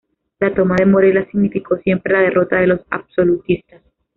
La toma de Morella significó siempre la derrota de los absolutistas.